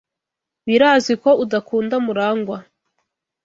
Birazwi ko udakunda Murangwa.